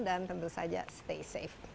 dan tentu saja stay safe